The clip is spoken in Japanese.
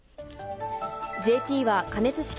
ＪＴは加熱式